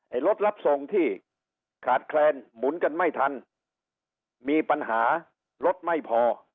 รถรับส่งที่ขาดแคลนหมุนกันไม่ทันมีปัญหารถไม่พอ